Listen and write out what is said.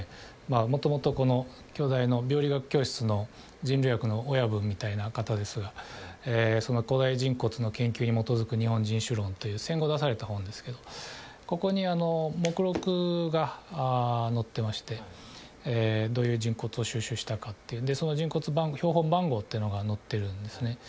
元々この京大の病理学教室の人類学の親分みたいな方ですがその古代人骨の研究に基づく日本人種論という戦後出された本ですけどここに目録が載ってましてどういう人骨を収集したかっていうでその人骨標本番号っていうのが載ってるんですね